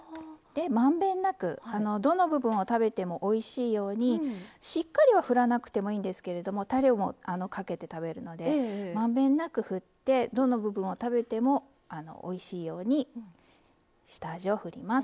満遍なくどの部分を食べてもおいしいようにしっかりはふらなくてもいいんですけれどもたれをかけて食べるので満遍なくふってどの部分を食べてもおいしいように下味をふります。